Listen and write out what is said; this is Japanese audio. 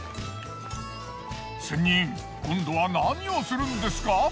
仙人今度は何をするんですか？